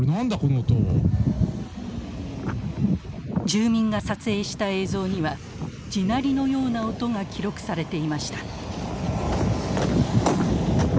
住民が撮影した映像には地鳴りのような音が記録されていました。